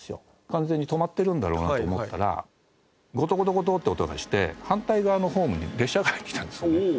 完全に止まってるんだろうなと思ったらゴトゴトゴトって音がして反対側のホームに列車が入ってきたんですね。